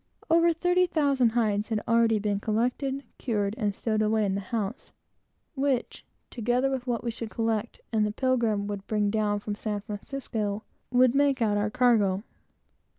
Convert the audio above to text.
Over thirty thousand hides had been already collected, cured, and stowed away in the house, which, together with what we should collect, and the Pilgrim would bring down from San Francisco, would make out her cargo.